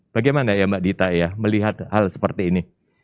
bagaimana ya mbak dita ya melihat hal seperti ini